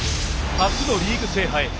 初のリーグ制覇へ。